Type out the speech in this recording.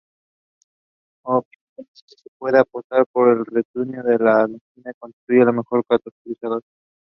The race started and finished in Estella.